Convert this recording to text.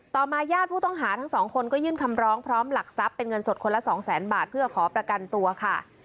มาญาติผู้ต้องหาทั้งสองคนก็ยื่นคำร้องพร้อมหลักทรัพย์เป็นเงินสดคนละสองแสนบาทเพื่อขอประกันตัวค่ะ